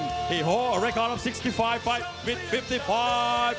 เขาเกี่ยวกับ๖๕ภาคและ๕๕ภาค